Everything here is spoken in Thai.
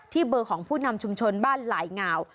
เบอร์ของผู้นำชุมชนบ้านหลายงาว